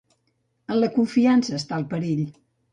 En la confiança està el perill.